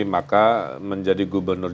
maka menjadi gubernur